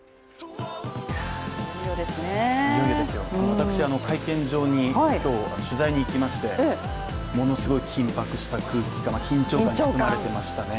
私、会見場に今日、取材に行きましてものすごい緊迫した空気感、緊張感に包まれていましたね。